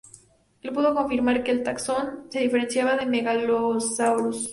Él pudo confirmar que el taxón se diferenciaba de "Megalosaurus".